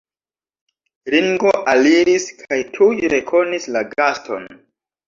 Ringo aliris kaj tuj rekonis la gaston.